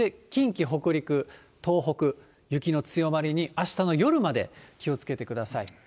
近畿、北陸、東北、雪の強まりに、あしたの夜まで気をつけてください。